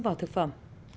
vào thực phẩm